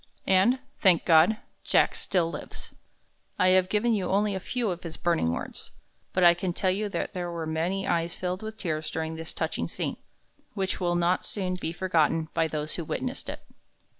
And, thank God, Jack still lives." I have given you only a few of his burning words, but I can tell you there were many eyes filled with tears during this touching scene, which will not soon be forgotten by those who witnessed it.